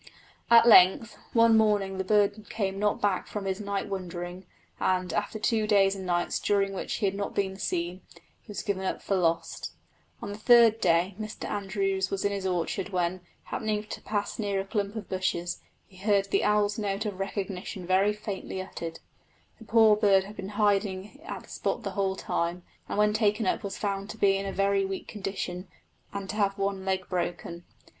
At length, one morning the bird came not back from his night wandering, and after two days and nights, during which he had not been seen, he was given up for lost. On the third day Mr Andrews was in his orchard, when, happening to pass near a clump of bushes, he heard the owl's note of recognition very faintly uttered. The poor bird had been in hiding at that spot the whole time, and when taken up was found to be in a very weak condition and to have one leg broken.